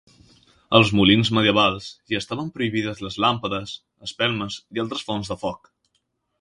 Als molins medievals hi estaven prohibides les làmpades, espelmes, i altres fonts de foc.